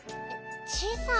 小さい。